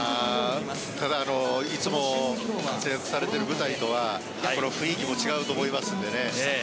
ただいつも活躍されてる舞台とは雰囲気も違うと思いますんでね。